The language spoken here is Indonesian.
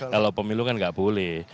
kalau pemilu kan nggak boleh